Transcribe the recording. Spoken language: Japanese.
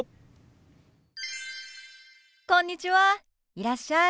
いらっしゃい。